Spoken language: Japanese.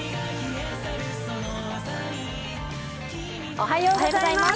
おはようございます。